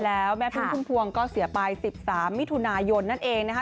แล้วแม้พี่คุณภวงก็เสียไปสิบสามมิถุนายนั่นเองนะคะ